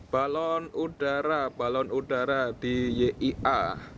balon udara balon udara di yia